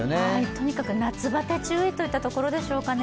とにかく夏バテ注意というところでしょうかね。